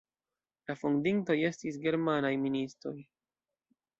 La fondintoj estis germanaj ministoj.